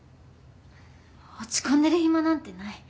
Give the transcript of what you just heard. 落ち込んでる暇なんてない。